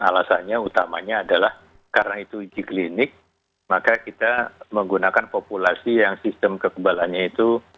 alasannya utamanya adalah karena itu uji klinik maka kita menggunakan populasi yang sistem kekebalannya itu